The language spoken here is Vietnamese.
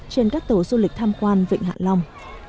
trên các tàu du lịch tham quan vịnh hạ long